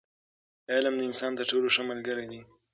علم د انسان تر ټولو ښه ملګری دی.